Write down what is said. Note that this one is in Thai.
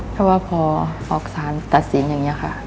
เพราะว่าพอออกสารตัดสินอย่างนี้ค่ะ